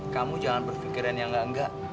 kamu jangan berpikiran yang enggak enggak